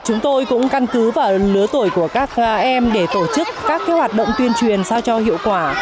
chúng tôi cũng căn cứ vào lứa tuổi của các em để tổ chức các hoạt động tuyên truyền sao cho hiệu quả